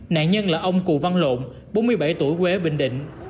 nạn nhân là ông cù văn lộn bốn mươi bảy tuổi quê bình định